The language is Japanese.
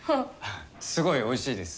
すごいおいしいです。